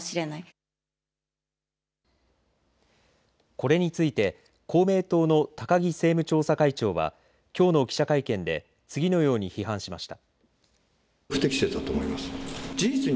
これについて公明党の高木政務調査会長はきょうの記者会見で次のように批判しました。